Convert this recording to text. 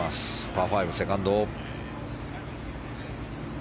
パー５、セカンド。